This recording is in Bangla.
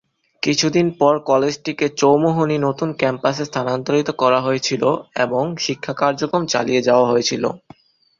কিছু দিন পর কলেজটিকে চৌমুহনী নতুন ক্যাম্পাসে স্থানান্তরিত করা হয়েছিল এবং শিক্ষা কার্যক্রম চালিয়ে যাওয়া হয়েছিল।